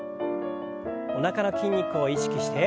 おなかの筋肉を意識して。